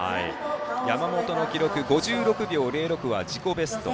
山本の記録５６秒０６は自己ベスト。